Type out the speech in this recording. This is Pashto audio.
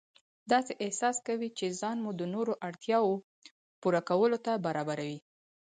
داسې احساس کوئ چې ځان مو د نورو اړتیاوو پوره کولو ته برابروئ.